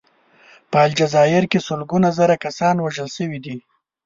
په الجزایر کې سلګونه زره کسان وژل شوي دي.